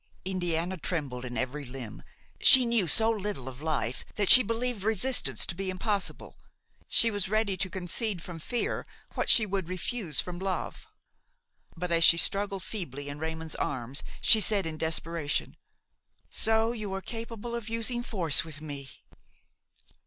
Indiana trembled in every limb. She knew so little of life that she believed resistance to be impossible; she was ready to concede from fear what she would refuse from love; but, as she struggled feebly in Raymon's arms, she said, in desperation: "So you are capable of using force with me?"